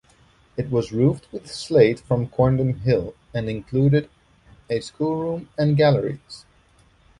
It was roofed with slate from Corndon Hill and included a schoolroom and galleries.